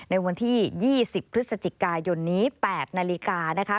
ในวันที่๒๐พฤศจิกายนนี้๘นาฬิกานะคะ